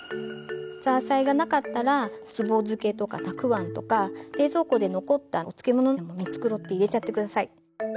ザーサイがなかったらつぼ漬けとかたくあんとか冷蔵庫で残ったお漬物など見繕って入れちゃって下さい。